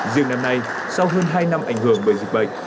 riêng năm nay sau hơn hai năm ảnh hưởng bởi dịch bệnh